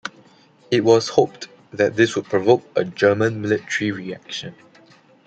It was hoped that this would provoke a German military reaction.